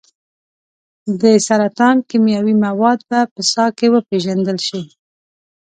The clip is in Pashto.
د سرطان کیمیاوي مواد به په ساه کې وپیژندل شي.